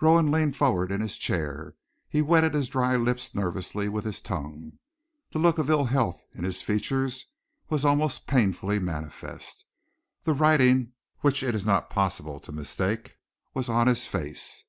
Rowan leaned forward in his chair. He wetted his dry lips nervously with his tongue. The look of ill health in his features was almost painfully manifest. The writing which it is not possible to mistake was on his face.